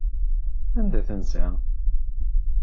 Anda tensa?